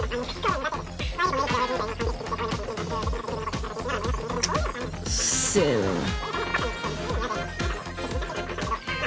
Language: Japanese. チッうっせえな。